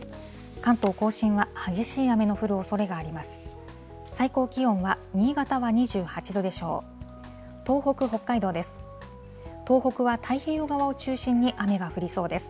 関東甲信は激しい雨の降るおそれがあります。